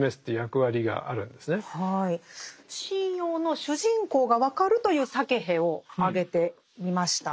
神謡の主人公が分かるというサケヘを挙げてみました。